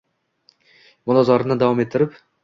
Munozarani davom ettirib